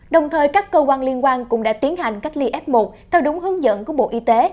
đồng thời các cơ quan liên quan cũng đã tiến hành cách ly f một theo đúng hướng dẫn của bộ y tế